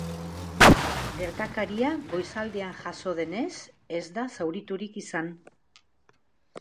Gertakaria goizaldean jazo denez, ez da zauriturik izan.